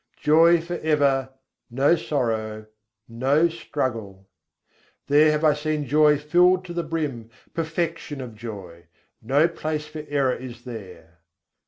Joy for ever, no sorrow, no struggle! There have I seen joy filled to the brim, perfection of joy; No place for error is there.